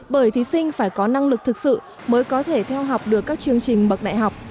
bởi thí sinh phải có năng lực thực sự mới có thể theo học được các chương trình bậc đại học